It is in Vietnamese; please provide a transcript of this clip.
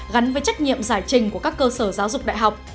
gắn với trách nhiệm giải trình của các cơ sở giáo dục đại học